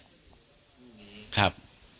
คู่นี้ครับ